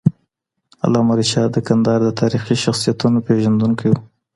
علامه رشاد د کندهار د تاریخي شخصیتونو پېژندونکی وو.